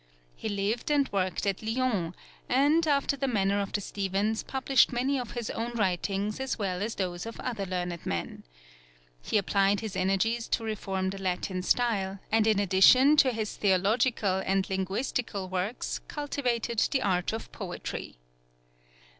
He lived and worked at Lyons, and, after the manner of the Stephens, published many of his own writings as well as those of other learned men. He applied his energies to reform the Latin style, and in addition to his theological and linguistical works cultivated the art of poetry.